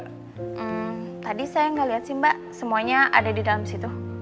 hmm tadi saya nggak lihat sih mbak semuanya ada di dalam situ